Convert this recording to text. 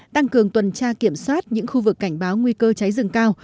tăng cường tuần tra kiểm soát những khu vực cảnh báo nguy cơ cháy rừng cao